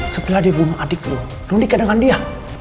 setelah dia bunuh adik lo lo nikah dengan dia